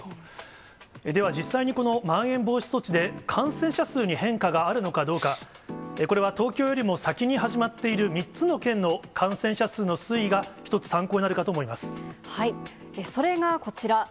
では実際に、このまん延防止措置で、感染者数に変化があるのかどうか、これは東京よりも先に始まっている３つの県の感染者数の推移が一それがこちら。